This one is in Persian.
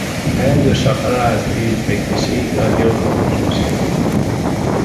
اگر دو شاخه را از پریز بکشی رادیو خاموش میشود.